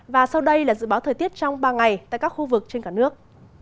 và sau đây là dự báo thời tiết trong ba ngày tại các khu vực trên cả nước